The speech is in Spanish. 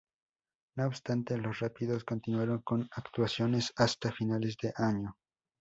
No obstante, Los Rápidos continuaron sus actuaciones hasta finales de año.